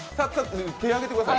手上げてください。